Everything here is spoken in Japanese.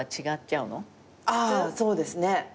ああそうですね。